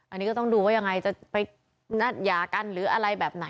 อันนี้ก็ต้องดูว่ายังไงจะไปนัดหย่ากันหรืออะไรแบบไหน